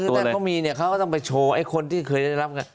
คือถ้าเขามีเนี่ยเขาก็ต้องไปโชว์ไอ้คนที่เคยได้รับไง